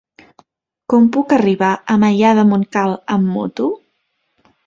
Com puc arribar a Maià de Montcal amb moto?